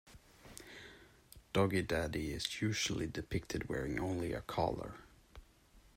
Doggie Daddy is usually depicted wearing only a collar.